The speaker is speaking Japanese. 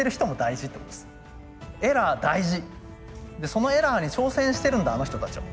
そのエラーに挑戦してるんだあの人たちは。